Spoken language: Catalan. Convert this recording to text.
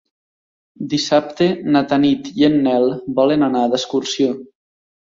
Dissabte na Tanit i en Nel volen anar d'excursió.